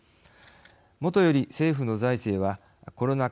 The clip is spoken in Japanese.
もとより政府の財政はコロナ禍